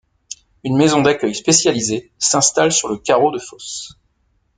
Une maison d'accueil spécialisée s'installe sur le carreau de fosse.